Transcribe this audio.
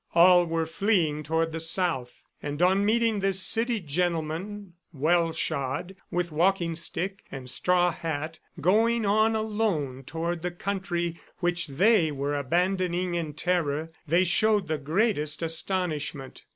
All were fleeing toward the South, and on meeting this city gentleman, well shod, with walking stick and straw hat, going on alone toward the country which they were abandoning in terror, they showed the greatest astonishment.